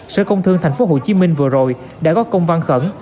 sở công thương thành phố hồ chí minh vừa rồi đã góp công văn khẩn